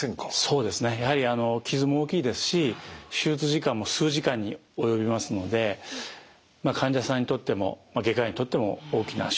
やはり傷も大きいですし手術時間も数時間におよびますので患者さんにとっても外科医にとっても大きな手術だと。